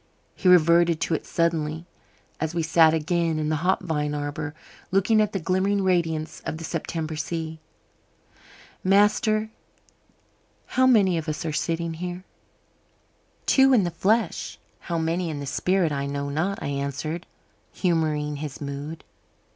He reverted to it suddenly as we sat again in the hop vine arbour, looking at the glimmering radiance of the September sea. "Master, how many of us are sitting here?" "Two in the flesh. How many in the spirit I know not," I answered, humouring his mood.